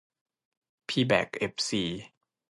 พี่แบ่คเอฟซี